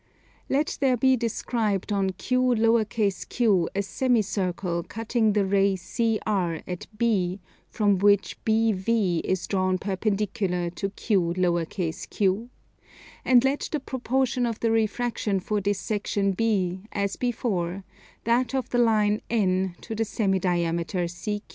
Let there be described on Q_q_ a semicircle cutting the ray CR at B, from which BV is drawn perpendicular to Q_q_; and let the proportion of the refraction for this section be, as before, that of the line N to the semi diameter CQ.